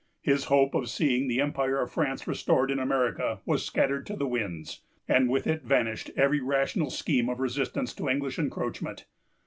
His hope of seeing the empire of France restored in America was scattered to the winds, and with it vanished every rational scheme of resistance to English encroachment.